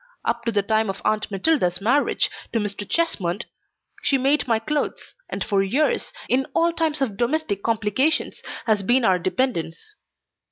Up to the time of Aunt Matilda's marriage to Mr. Chesmond she made my clothes, and for years, in all times of domestic complications has been our dependence.